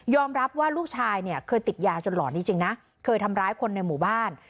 รับว่าลูกชายเนี่ยเคยติดยาจนหลอนจริงนะเคยทำร้ายคนในหมู่บ้าน